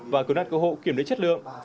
và cửu nát cơ hộ kiểm lấy chất lượng